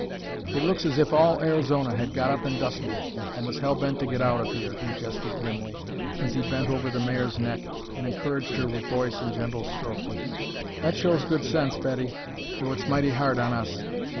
"It looks as if all Arizona had got up and dusted, and was hell bent to get out of here," he jested grimly, as he bent over the mare's neck and encouraged her with voice and gentle stroke. "That shows good sense, Betty, though it's mighty hard on us.